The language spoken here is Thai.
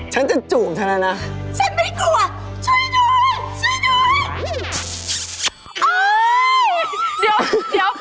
ฉันจะโวยวาย